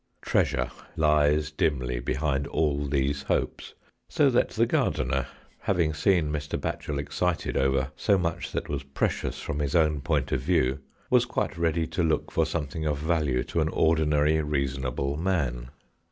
Treasure lies dimly behind all these hopes, so that the gardener, having seen Mr. Batchel excited over so much that was precious from his own point of view, was quite ready to look for something of value to an ordinary reasonable man.